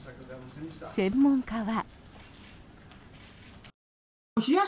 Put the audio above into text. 専門家は。